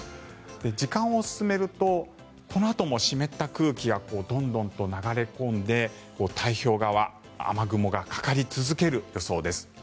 時間を進めるとこのあとも湿った空気がどんどんと流れ込んで太平洋側、雨雲がかかり続ける予想です。